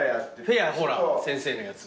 フェアほら先生のやつ。